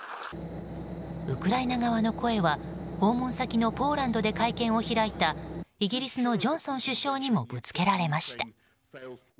ウクライナ側の声は訪問先のポーランドで会見を開いたイギリスのジョンソン首相にもぶつけられました。